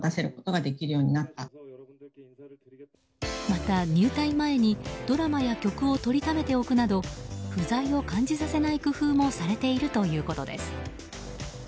また、入隊前にドラマや曲を撮りためておくなど不在を感じさせない工夫もされているということです。